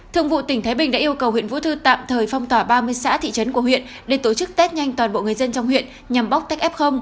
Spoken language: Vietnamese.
thường vụ tỉnh thái bình đã yêu cầu huyện vũ thư tạm thời phong tỏa ba mươi xã thị trấn của huyện để tổ chức test nhanh toàn bộ người dân trong huyện nhằm bóc tách f